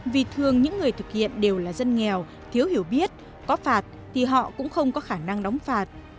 vì thường những người thực hiện đều là dân nghèo thiếu hiểu biết có phạt thì họ cũng không có khả năng đóng phạt